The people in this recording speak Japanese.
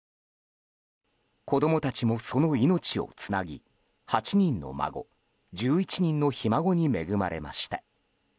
子供たちも、その命をつなぎ８人の孫、１１人のひ孫に恵まれました。